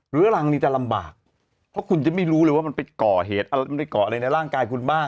รังนี้จะลำบากเพราะคุณจะไม่รู้เลยว่ามันไปก่อเหตุอะไรมันไปเกาะอะไรในร่างกายคุณบ้าง